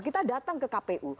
kita datang ke kpu